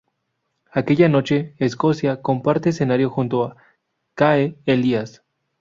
Aquella noche "Escocia" comparte escenario junto a ""Cae"" Elías.